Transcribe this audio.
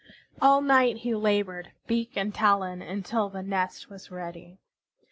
All night he labored, beak and talon, until the nest was ready.